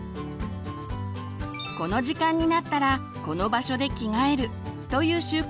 この時間になったらこの場所で着替えるという習慣